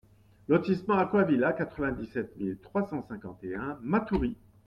Lotissement Aquavilla, quatre-vingt-dix-sept mille trois cent cinquante et un Matoury